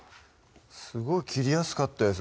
すごい切りやすかったです